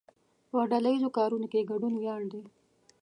په ډله ایزو کارونو کې ګډون ویاړ دی.